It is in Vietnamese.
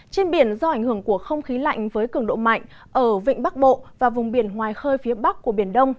trên biển do ảnh hưởng của không khí lạnh với cường độ mạnh ở vịnh bắc bộ và vùng biển ngoài khơi phía bắc của biển đông